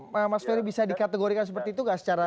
mas ferry bisa dikategorikan seperti itu gak secara